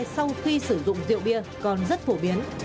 sau khi sử dụng rượu bia còn rất phổ biến